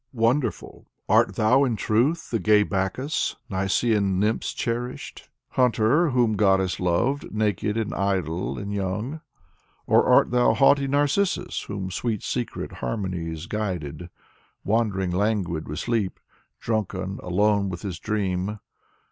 Wonderful, art thou in truth the gay Bacchus, Nysaean nymphs cherished, Hunter, whom goddesses loved, naked and idle and young? Or art thou haughty Narcissus, whom secret sweet har monies guided, Wandering, languid with sleep, drunken, alone with his dream?